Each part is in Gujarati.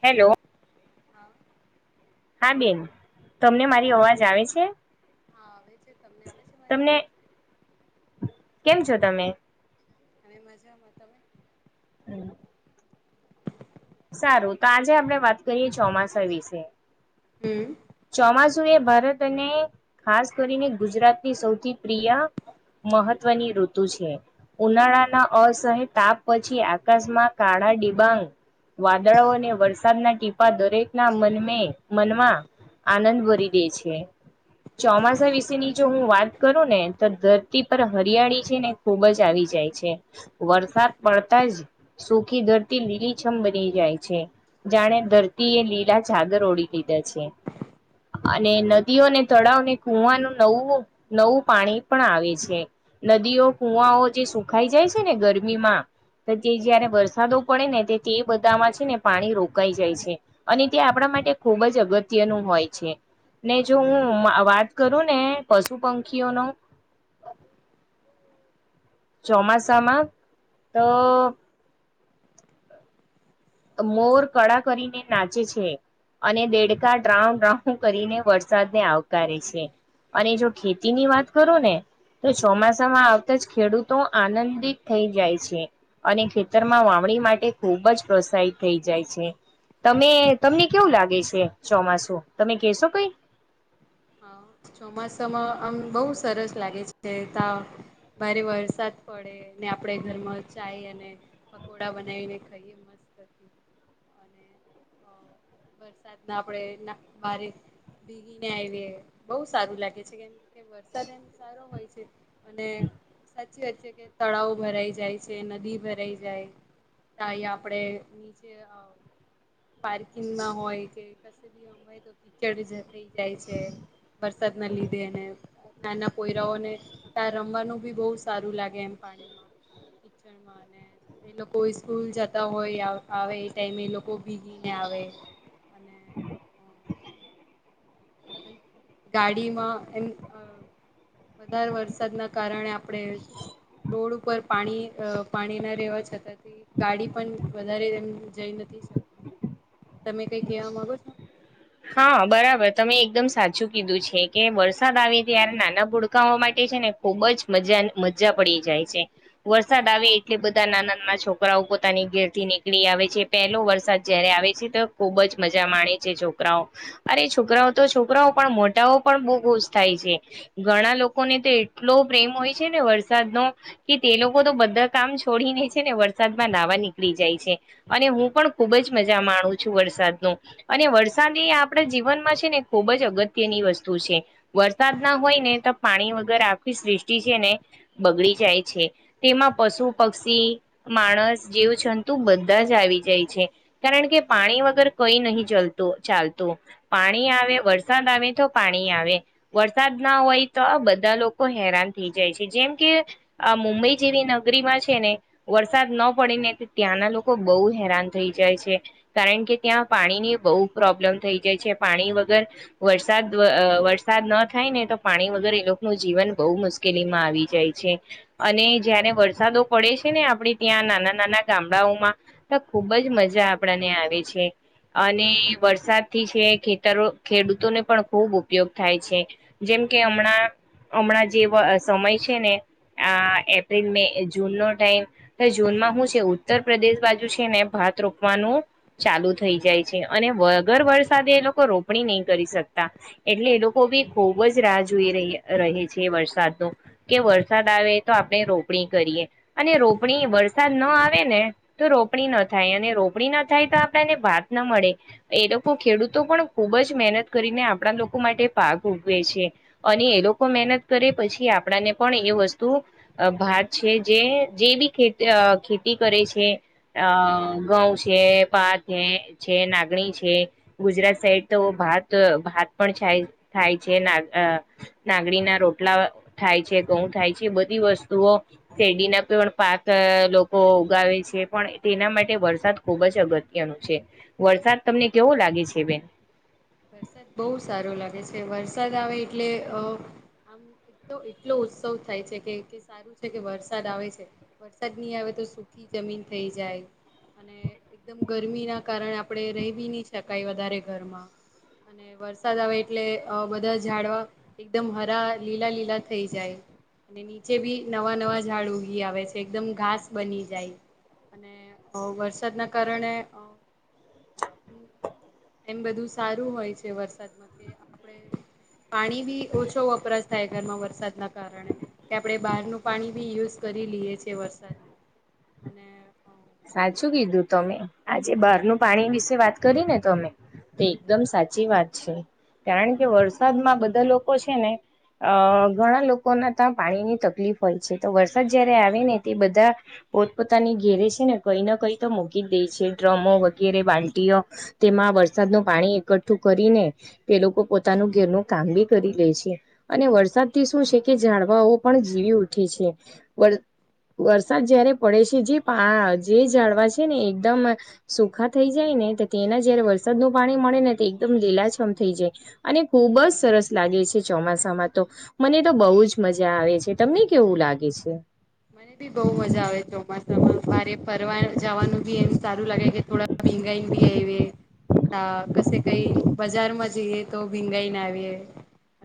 હેલો હા હા બેન, તમને મારી અવાજ આવે છે હા, આવે છે તમને આવે છે મારી તમને, અવાજ કેમ છો તમે અમે મજામાં તમે હમ સારું તો આજે આપણે વાત કરીએ ચોમાસા વિશે, હમ ચોમાસા ઋતુ એ ભારત અને ખાસ કરીને ગુજરાતની સૌથી પ્રિય મહત્વની ઋતુ છે ઉનાળાના અસહ તાપ પછી આકાશમાં કાળા ડિબાંગ વાદળો અને વરસાદના ટીપા દરેક ના મનમે મનમાં આનંદ ભરી દે છે ચોમાસા વિશેની જો હું વાત કરું ને તો ધરતી પર હરિયાળી છે ને ખુબ જ આવી છે જાય છે, વરસાદ પડતા જ સુખી ધરતી લીલીછમ બની જાય છે જાણે ધરતી એ લીલા ચાદર ઓડી લીધા છે અને નદીઓને, તળાવને, કૂવાનું, નવું, નવું, પાણી પણ આવે છે નદીઓ, કુવાઓ જે સુખાઈ જાય છે ને ગરમીમાં તે જયારે વરસાદો પડે ને તે બધામાં છે ને પાણી રોકાઈ જાય છે, અને તે આપણા માટે ખુબ જ અગત્યનું હોય છે ને જો હું વાત કરું ને પશુ, પંખીઓનો [inaudible] ચોમાસામાં તો મોર કળા કરીને નાચે છે અને દેડકા ડ્રાઉડ્રઉ કરીને વરસાદને આવકારે છે અને જો ખેતી ની વાત કરો ને તો ચોમાસામાં આવતા જ ખેડૂતો આનંદિત થઈ જાય છે અને ખેતરમાં વાવણી માટે ખૂબ જ પ્રોત્સાહિત થઈ જાય છે તમે તમને કેવું લાગે છે ચોમાસું, તમે કેશો કઈ? હા, ચોમાસામાં આમ બહુ સરસ લાગે છે તા બારે વરસાદ પડે ને આપડે ઘરમાં ચાય અને પકોડા બનાવીને ખાઈએ મસ્ત [inaudible] [inaudible] વરસાદ ના આપડે ભારે ભીગીને આવીએ બહુ સારું લાગે છે કેમ કે વરસાદ એમ સારો હોય છે અને સાચી વાત છે કે તળાવ ભરાઈ જાય છે, નદી ભરાઈ જાય તાઈ આપડે નીચે અ પાર્કિંગ મા હોય કે કસે બી હોય તો પી થઈ જાય છે વરસાદ ના લીધે એને નાના પોયરાઓને તાં રમવાનું બી બહુ સારું લાગે એમ, પાણીમાં. કીચડમાં અને એ લોકો સ્કૂલ જતા હોય, આવે એ ટાઈમે એ લોકો ભીગીને આવે [inaudible] ગાડીમાં, એમ વધારે વરસાદના કારણે આ પડે રોડ ઉપર ઉપર પાણી પાણી ના રહેેવા છતાં ગાડી પણ વધારે એમ જઈ નથી શકતી. તમે કંઈ કેવા માંગો છો? હા, બરાબર. તમે એકદમ સાચું કીધું છે, કે વરસાદ આવે ત્યારે નાના ભુડકાઓ માટે છે ને ખુબ જ મજા, મજા પડી જાય છે. વરસાદ આવે એટલે બધા નાના નાના છોકરાઓ પોતાની ઘેરથી નીકળી આવે છે પહેલો વરસાદ જયારે આવે છે તો ખૂબ જ મજા માણે છે જો છોકરાઓ અરે છોકરાઓ તો છોકરાઓ પણ મોટાઓ પણ બહુ ખુશ થાય છે ઘણા લોકોને એટલો પ્રેમ હોય છે ને વરસાદ નો કે તે લોકો તો બધા કામ છોડીને છે ને વરસાદ લવા નીકળી જાય છે અને હું પણ ખુબ જ મજા માણું છું વરસાદ નો અને વરસાદ વરસાદી એ આપણા જીવનમાં છે ને ખુબ જ અગત્યની વસ્તુ છે વરસાદ ના હોય ને તો પાણી વગર આખી સ્રષ્ટિ છે ને બગડી જાય છે તેમાં પશુ પક્ષી માણ જેવું છંતુ બધા જ આવી જાય છે કારણ કે પાણી વગર કઈ નહી ચલ ચાલતું પાણી આવે વરસાદ આવે તો પાણી આવે વરસાદ ના હોય તો બધા લોકો હેરાન થઈ જાય છે જેમ કે મુંબઈ જેવી નગરીમાં છે ને વરસાદ વરસાદ ન પડે ને ત્યાંના લોકો બહુ હેરાન થઈ જાય છે. કારણ કે ત્યાં પાણીની બહુ પ્રોબ્લેમ થઈ જાય છે. પાણી વગર વરસાદ વરસાદ ન થાય ને તો પાણી વગર એ લોકો જીવન બહુ મુશ્કેલીમાં આવી જાય છે અને જયારે વરસાદો પડે છે ને આપણે ત્યાં નાના નાના ગામડાઓમાં તો ખુબ જ મજા આપણને આવે છે અને વરસાદ થી છે ખેતરો ખેડૂતોને પણ ખૂબ ઉપયોગ થાય છે. જેમ કે હમણાં હમણાં જે સમય છે ને આ એપ્રિલ મે જૂન નો ટાઈમ તો જૂનમાં શું છે. ઉત્તર પ્રદેશ બાજુ છે ને ભ હા રોપવાનું ચાલુ થઈ જાય છે અને વગર વરસાદે એ લોકો રોપણી નહી કરી શકતા એટલે એ લોકો બી ખુબ જ રાહ જોઈ રહ્યા. રહે છે. વરસાદ ન કે વરસાદ આવે તો આપણે રોપણી કરીએ અને રોપણી વરસાદ ન આવે ને તો રોપણી ન થાય અને રોપણી ના થાય તો આપડને ભાત ના મળે. એ લોકો ખેડૂતો પણ ખુબ જ મહેનત કરીને આપણા લોકો માટે પાક ઉગવે છે અને એ લોકો લોકો મહેનત કરે પછી આપણાને પણ એ વસ્તુ ભાત છે જે જે બી ખેતી ખેતી કરે છે અ ઘઉં છે પા છે-છે. નાગણી છે. ગુજરાત સાઈડ તો ભાત ભાત પણ થાય છે. આંગળના રોટલા થાય છે ઘઉં થાય છે. એ બધી વસ્તુઓ શેરડીના પાક લોકો ઉગાવે છે. પણ તેના માટે વરસાદ ખુબ જ અગત્યનો છે. વરસાદ તમને કેવો લાગે છે. બેન વરસાદ બહુ સારો લાગે છે. વરસાદ આવે એટલે આમ એક તો એટલો ઉત્સવ થાય છે કે સારું છે કે વરસાદ આવે છે. વરસાદ નહી આવે તો તો સુખી જમીન થઈ જાય. અને એકદમ ગરમી ના કારણે આપણેે રેવી નહી શકાય વધારે ઘરમાં. અને વરસાદ આવે એટલે બધા ઝાડવા એકદમ હરા લીલા લીલા થઈ જાય. અને નીચે બી નવા નવા ઝાડ ઉગી આવે છે. એકદમ ઘાસ બની જાય. અને વરસાદના કારણે [inaudible] એમ બધું સારું હોય છે. વરસાદમાં કે આપડ પાણી બી ઓછો વપરાશ થાય ઘરમાં વરસાદના કારણે કે આપડણે બહારનું પાણી બી યુઝ કરી લ છે વરસાદ. સાચું કીધું તમે આજે બહારનું પાણી વિશે વાત કરી ને તમે. તે એકદમ સાચી વાત છે. કારણ કે વરસાદમાં બધા લોકો છે ને અ ઘણા લોકોના ત્યાં પાણીની તકલીફ હોય છે. તો વરસાદ જયારે આવે ને તે બધા પોતપ પોતાની ઘેરે છે ને કંઈ ન કઈ તો મૂકી જ દે છે. ડ્રમો વગેરે બાલ્ટીઓ તેમાં વરસાદ ન પાણી એકઠું કરીને તે લોકો પોતાનું ઘરનું કામ બી કરી લે છે અને વરસાદ થી શું છે કે પણ જીવી ઉઠે છે. વરસાદ જયારે પડે છે. જે પા જે જાળવા છે ને એકદમ સુખા થઈ જાય ને તો તેના જયારે વરસાદ ન પાણી મળે ને એકમ લીલાછમ થઈ જાય અને ખુબ જ સરસ લાગે છે. ચોમાસામાં તો મને તો બહુ જ મ મજા આવે છે. તમને કેવું લાગે છે. મને બી બહુ મજા આવે ચોમાસામાં બારે ફરવા જવાનું બી એમ સારું લાગે કે થોડા ભીંગાઈન ભી આયવે ત કશે કંઈ બજારમાં જઈએ, તો ભીંગાઈને આવીએ.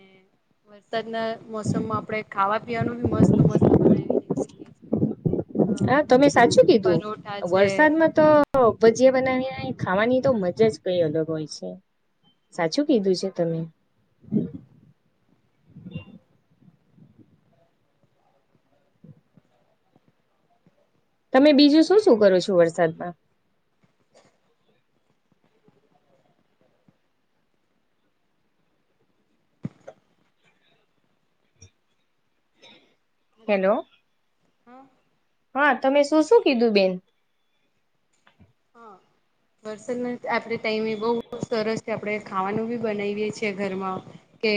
[inaudible] વરસાદના મોસમમાં આપણે ખાવા પીવાનું બી મસ્ત મસ્ત બનાવીને ખાઈએ છીએ. અ હા, તમે જેમ કે સાચું કીધું. પરોઠા છે વરસાદમાં તો ભજીયા બનાવી ખાવાની તો મજા જ કંઈ અલગ હોય છે, સાચું કીધું છે તમે. તમે બીજું શું શું કરો છો વરસાદમાં? Hello hello. હા હા તમે શું શું કીધું બેન? હા. વરસાદના આપડે ટાઈમે બહુ સરસ છે, આપણે ખાવાનું બી બનાયવીએ છીએ ઘરમાં. કે,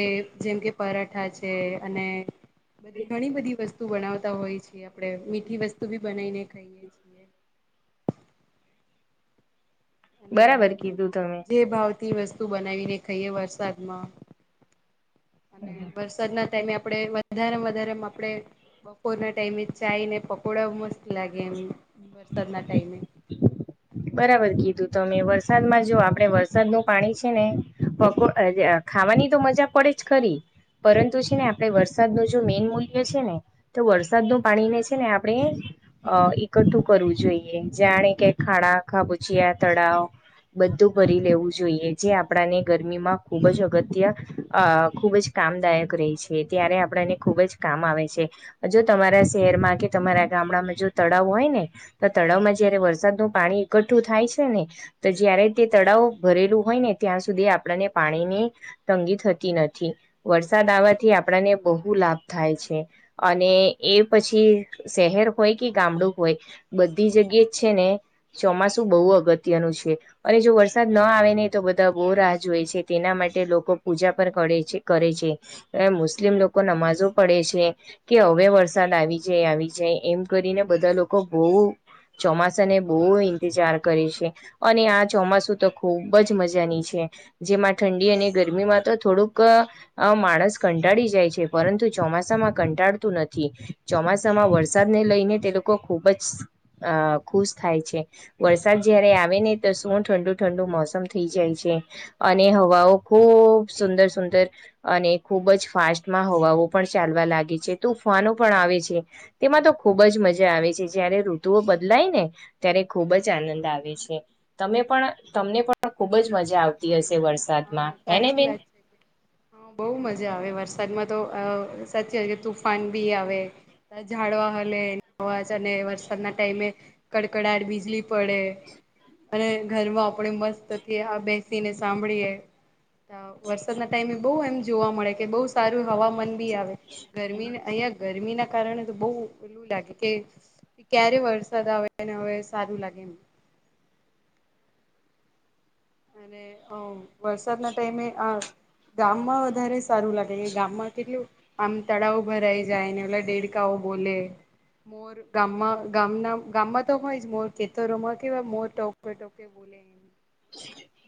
જેમ કે પરાઠા છે, અને બધી ઘણી બધી વસ્તુ બનાવ તા હોય છે આપણે. મીઠી વસ્તુ બી બનાવીને ખાઈએ છીએ. અને બરાબર કીધું તમે. જે ભાવતી વસ્તુ બનાવીને ખઈએ વરસાદમાં. અને વરસાદના ટાઈમે આપડે વધારેમાં વધારે આપણે બપોરના ટાઈમે ચાયને પકોડા મસ્ત લાગે એમ. વરસાદના ટાઈમે. બરાબર કીધું તમે. વરસાદમાં જો આપડે વરસાદનું પાણી છે ને, પકો આ જે ખાવાની તો મજા પડે જ ખરી, પરંતુ છે ને આપણે વરસાદનું જો મેન મૂલ્ય છે ને, તો વરસાદનું પાણીને છે ને આપણે અ ઇકટ્ઠું કરવું જોઈએ જાણે કે ખાડા, ખાબોચિયા, તળાવ બધું ભરી લેવું જોઈએ, જે આપણાને ગરમીમાં ખૂબ જ અગત્ય, ખૂબ જ કામદાયક રહી છે, ત્યારે આપણને ખુબ જ કામ આવે છે. જો તમારા શહેરમાં કે તમારા ગામ ગામડામાં જો તળાવ હોય ને, તો તળાવમાં જયારે વરસાદનું પાણી ઈકઠ્ઠું થાય છે ને, તો જયારે તે તળાવ ભરેલું હોય ને ત્યાં સુધી આપણાને પાણીની તંગી થતી નથી. વરસાદ આવવાથી આપણાને બહુ લાભ થાય છે, અને એ પછી શહેર હોય કે ગામડું હોય, બધી જગ્યા જ છે ને ચોમાસું બહુ અગત્યનું છે. અને જો વરસાદ ન આવે ને, તો બધા બો રાહ જોય છે, તેના મા ટે લોકો પૂજા પર કડે છે, કરે છે. મુસ્લિમ લોકો નમાજો પડે છે, કે હવે વરસાદ આવી જાય આવી જાય, એમ કરીને બધા લોકો બહુ ચોમાસાને બહુ ઈંતજાર કરે છે. અને આ ચોમાસું તો ખૂબ જ મજાની છે, જેમાં ઠ ઠંડી અને ગરમીમાં તો થોડુંક માણસ કંટાળી જાય છે, પરંતુ ચોમાસામાં કંટાળ કંટાળતું નથી. ચોમાસામાં વરસાદને લઈને તે લોકો ખૂબ જ ખુશ થાય છે. વરસાદ જયારે આવે ને, તો શું ઠંડુ ઠંડુ મોસમ થઈ જાય છે. અને હવાઓ ખૂબ સુંદર સુંદર, અને ખુબ જ ફાસ્ટમાં હવાઓ પણ ચાલવા લાગી. છે, તુફાનો પણ આવે છે. તેમાં તો ખૂબ જ મજા આવે છે. જયારે ઋતુઓ બદલાય ને ત્યારે ખૂબ જ આનંદ આવે છે. તમે પણ, તમને પણ ખૂબ જ મજા આવતી હશે હા વરસાદમાં હે ને સાચી બેન વાત છે. હ બહુ મજા આવે વરસાદ સાજમાં તો અ સાચી કે તુફાન બી આવે ઝાડવા હલે અને વરસાદના ટાઈમે કડકડાટ બીજલી પડે અને ઘરમાં આપણે મસ્ત આ બેસીને સાંભળીએ વરસાદના ટાઈમે બહુ એમ જોવા મળે કે બહુ સારું હવામાન બી આવે ગરમી અહં ગરમી ના કારણે તો બઉ એલું લાગે કે ક્યારે વરસાદ આવે ને હવે સારું લાગે એમ અને અ વરસાદ ના ટાઈમે આ ગામમાં વધારે સારું લાગે કે ગામમાં કેટલું, આમ તળાવ ભરાઈ જાય દેડકા બોલે મોર ગામમાં ગામના ગામમાં તો હોય જ મોર, કેતરોમાં કેવા મોર ટોકે ટોકે બોલ [inaudible]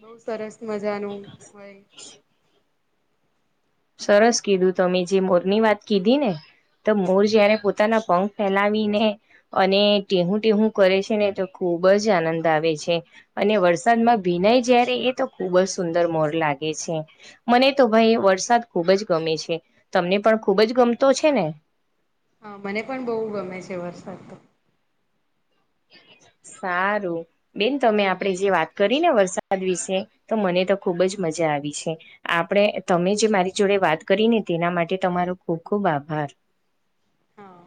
બહુ સરસ મજાનું હોય. સરસ કીધું, તમે જે મોરની વાત કીધી ને? તો મોર જ્યારે પોતાના પંખ ફેલાવી ને, અને ટેહું ટેહું કરે છે ને તો ખૂબ ખુબ જ આનંદ આવે છે, અને વરસાદમાં ભીનાઈ જ્યાંરે એ તો ખુબ જ સુંદર મોર લાગે છે, મને તો ભાઈ વરસાદ ખૂબ જ ગમે છે, તમને પણ ખૂબ જ ગમતો છે ને? હા, મને પણ બઉ ગમે છે વરસાદ તો. એ સારું, બેન તમે આપણેે જે વાત કરીને વરસાદ વિશે, તો મને તો ખુબ જ મ જા આવી છે, આપણે તમે જે મારી જોડે વાત કરીને તેના માટે તમારો ખૂબ ખૂબ આભાર. [unintelligible] હા